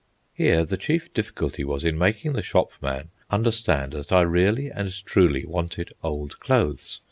Here the chief difficulty was in making the shopman understand that I really and truly wanted old clothes.